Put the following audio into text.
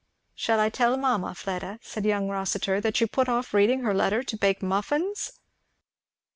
"Shall I tell mamma, Fleda," said young Rossitur, "that you put off reading her letter to bake muffins?"